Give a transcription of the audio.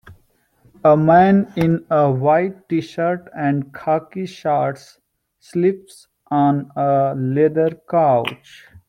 A man in a white tshirt and khaki shorts sleeps on a leather couch.